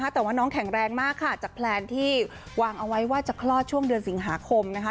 แต่ว่าน้องแข็งแรงมากค่ะจากแพลนที่วางเอาไว้ว่าจะคลอดช่วงเดือนสิงหาคมนะคะ